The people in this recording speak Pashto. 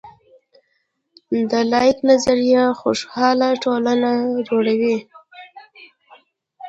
د لاک نظریه خوشحاله ټولنه جوړوي.